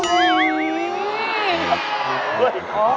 เมื่อถึงค่ะ